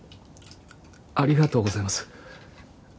ありがとうございます。